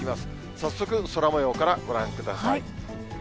早速空もようからご覧ください。